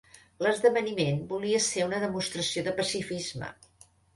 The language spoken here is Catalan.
L'esdeveniment volia ser una demostració de pacifisme.